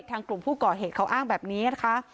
ทางกลุ่มผู้ก่อเหตุเขาอ้างแบบนี้นะคะ